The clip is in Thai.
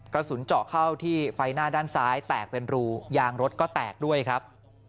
กระสุนเจาะเข้าที่ไฟหน้าด้านซ้ายแตกเป็นรูยางรถก็แตกด้วยครับ